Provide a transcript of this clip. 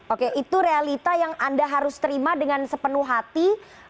oke itu realita yang anda harus terima dengan sepenuh hati